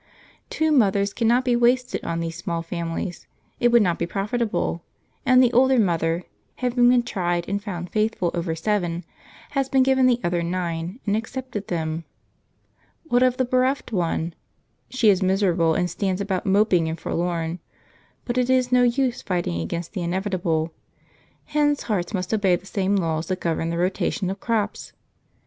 Two mothers cannot be wasted on these small families it would not be profitable; and the older mother, having been tried and found faithful over seven, has been given the other nine and accepted them. What of the bereft one? She is miserable and stands about moping and forlorn, but it is no use fighting against the inevitable; hens' hearts must obey the same laws that govern the rotation of crops.